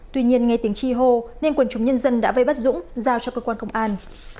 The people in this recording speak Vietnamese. tuy nhiên nghe tiếng chi hô nên quần chúng nhân dân đã vây bắt dũng giao cho cơ quan công an